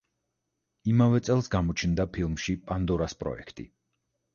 იმავე წელს გამოჩნდა ფილმში „პანდორას პროექტი“.